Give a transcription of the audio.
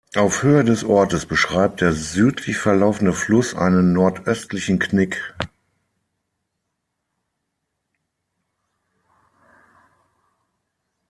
Auf Höhe des Ortes beschreibt der südlich verlaufende Fluss einen nordöstlichen Knick.